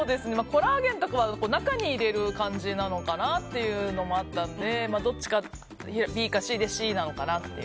コラーゲンとかは中に入れる感じなのかなというのもあったのでどっちか、ＢかＣでＣかなって。